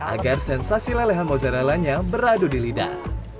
agar sensasi lelehan mozzarella nya beradu di lidah